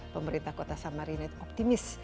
pemerintah kota samarinda optimis